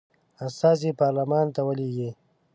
استازي پارلمان ته ولیږي.